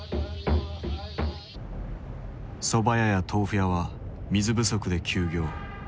そば屋や豆腐屋は水不足で休業。